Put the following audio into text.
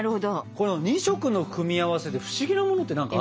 この２色の組み合わせでフシギなものって何かあるっけ？